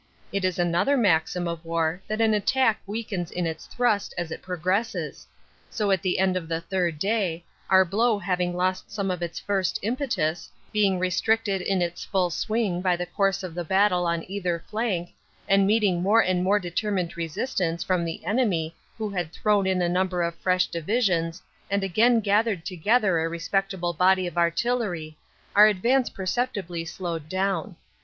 It is another maxim of war that an attack weakens in its thrust as it progresses; so at the end of the third day, our blow having lost some of its first impetus, being restricted in its full swing by the course of the battle on either flank, and meeting more and more determined resistance from the enemy who had thrown in a number of fresh divisions and again gathered together a respectable body of artillery our advance perceptibly slowed down.